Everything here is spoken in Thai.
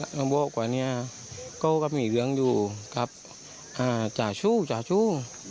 เขาบอกว่าเนี่ยเขาก็มีเรื่องอยู่กับจ่าชู่จ่าชู่